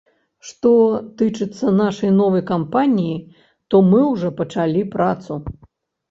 Што тычыцца нашай новай кампаніі, то мы ўжо пачалі працу.